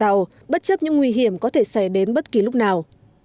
tàu bất chấp những nguy hiểm có thể xảy đến bất kỳ lúc nào